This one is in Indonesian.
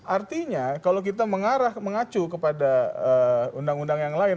artinya kalau kita mengacu kepada undang undang yang lain